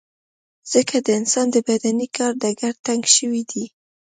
ځکه د انسان د بدني کار ډګر تنګ شوی دی.